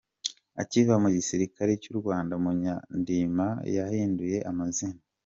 Akiva mu gisirikare cy’u Rwanda, Munyandinda yahinduye amazina